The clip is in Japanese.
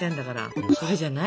うまいじゃない。